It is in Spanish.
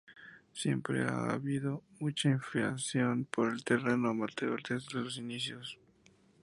Siempre ha habido mucha afición por el teatro Amateur, desde los inicios.